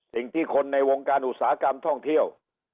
สิ่งที่คนในวงการอุตสาหกรรมท่องเที่ยว